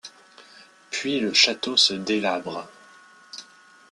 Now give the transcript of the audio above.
Puis le château se délabre.